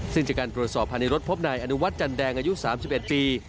ซึ่งจากการตรวจสอบภายในรถพบนายอนุวัฒน์จันแดงอายุ๓๑ปี